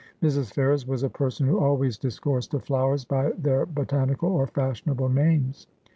Mrs. Ferrers was a person who always discoursed of flowers by their botanical or fashionable names.